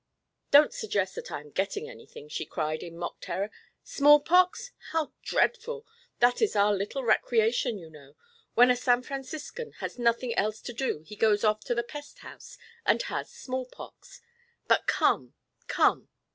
"Don't suggest that I am getting anything," she cried, in mock terror. "Small pox? How dreadful! That is our little recreation, you know. When a San Franciscan has nothing else to do he goes off to the pest house and has small pox. But come, come."